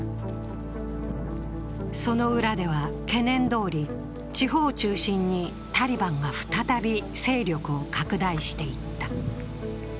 その裏では懸念どおり、地方を中心にタリバンが再び勢力を拡大していった。